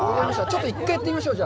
ちょっと１回やってみましょう。